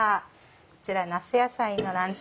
こちら那須野菜のランチ